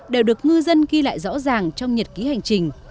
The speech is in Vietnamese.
đều được ngư dân ghi lại rõ ràng trong nhật ký hành trình